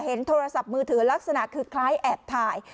โทรศัพท์มือถือลักษณะคือคล้ายแอบถ่าย